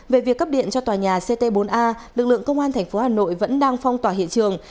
về việc cấp điện cho tòa nhà ct bốn a lực lượng công an tp hà nội vẫn đang phong tỏa hiện trường